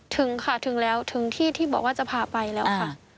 ถึงค่ะถึงแล้วถึงที่ที่บอกว่าจะพาไปแล้วค่ะ